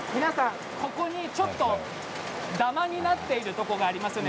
ここにちょっとダマになっているところがあります。